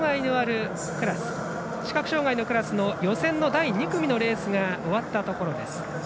視覚障がいのクラスの予選の第２組のレースが終わったところです。